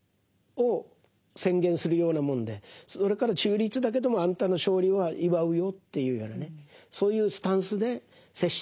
それから中立だけどもあんたの勝利は祝うよっていうようなねそういうスタンスで接していきましょう。